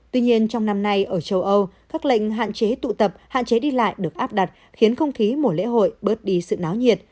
tuy nhiên trong năm nay ở châu âu các lệnh hạn chế tụ tập hạn chế đi lại được áp đặt khiến không khí mùa lễ hội bớt đi sự náo nhiệt